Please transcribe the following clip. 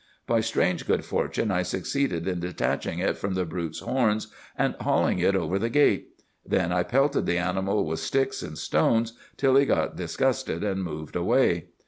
By strange good fortune I succeeded in detaching it from the brute's horns and hauling it over the gate. Then I pelted the animal with sticks and stones till he got disgusted and moved away.